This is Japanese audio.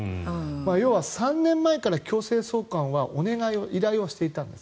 要は３年前から強制送還はお願い、依頼をしていたんです。